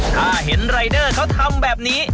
ถ้าเห็นรายเดอร์เขาทำแบบนี้